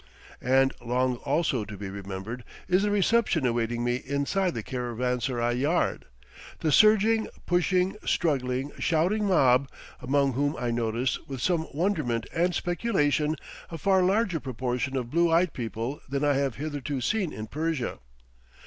And long also to be remembered is the reception awaiting me inside the caravanserai yard the surging, pushing, struggling, shouting mob, among whom I notice, with some wonderment and speculation, a far larger proportion of blue eyed people than I have hitherto seen in Persia.